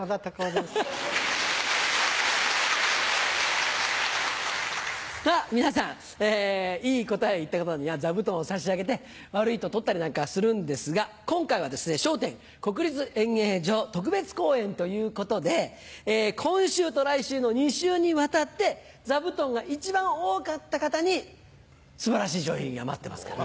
では皆さんいい答えを言った方には座布団を差し上げて悪いと取ったりなんかするんですが今回は『笑点』×国立演芸場特別公演ということで今週と来週の２週にわたって座布団が一番多かった方に素晴らしい賞品が待ってますから。